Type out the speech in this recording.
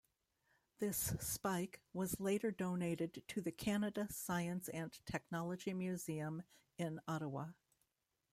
This spike was later donated to the Canada Science and Technology Museum in Ottawa.